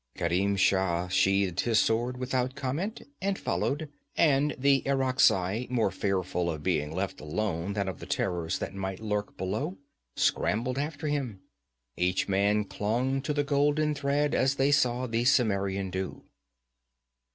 Kerim Shah sheathed his sword without comment and followed, and the Irakzai, more fearful of being left alone than of the terrors that might lurk below, scrambled after him. Each man clung to the golden thread as they saw the Cimmerian do.